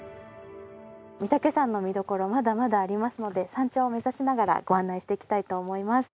御岳山の見どころまだまだありますので山頂を目指しながらご案内していきたいと思います。